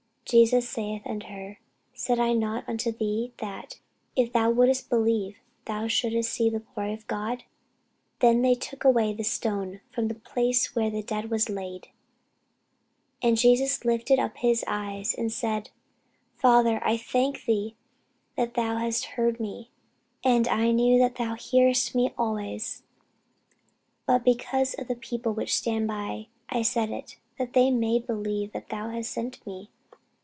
Jesus saith unto her, Said I not unto thee, that, if thou wouldest believe, thou shouldest see the glory of God? Then they took away the stone from the place where the dead was laid. And Jesus lifted up his eyes, and said, Father, I thank thee that thou hast heard me. And I knew that thou hearest me always: but because of the people which stand by I said it, that they may believe that thou hast sent me.